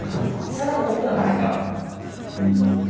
更に奥なんですか。